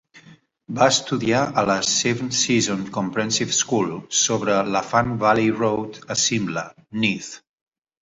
Va estudiar a la Cefn Saeson Comprehensive School, sobre l' Afan Valley Road a Cimla, Neath.